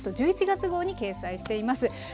１１月号に掲載しています。